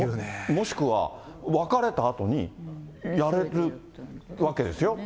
もしくは、別れたあとにやれるわけでしょ。